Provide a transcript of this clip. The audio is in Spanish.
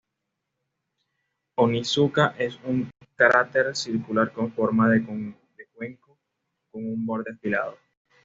Onizuka es un cráter circular con forma de cuenco, con un borde afilado.